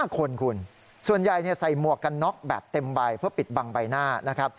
๕คนคุณส่วนใหญ่ใส่หมวกกันน็อกแบบเต็มใบเพื่อปิดบังใบหน้านะครับ